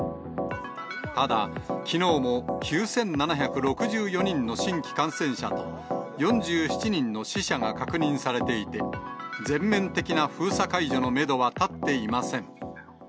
ただ、きのうも９７６４人の新規感染者と、４７人の死者が確認されていて、全面的な封鎖解除のメドは立っていません。